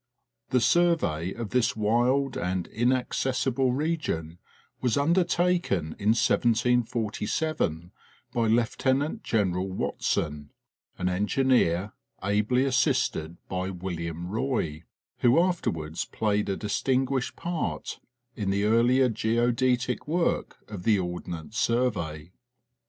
The survey of this wild and inaccessible region was under taken in 1747 by Lieutenant General Watson, an engineer, ably assisted by William Roy, who afterwards played a distinguished part in the earlier geodetic work of the Ordnance Survey.